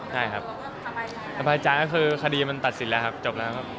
ข้าใจจากคือคดีมันตัดสินละครับจบละครับ